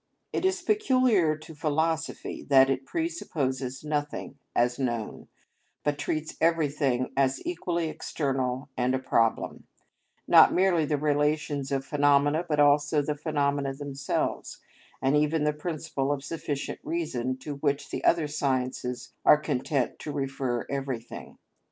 It is peculiar to philosophy that it presupposes nothing as known, but treats everything as equally external and a problem; not merely the relations of phenomena, but also the phenomena themselves, and even the principle of sufficient reason to which the other sciences are content to refer everything.